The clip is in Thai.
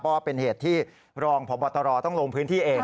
เพราะว่าเป็นเหตุที่รองพบตรต้องลงพื้นที่เอง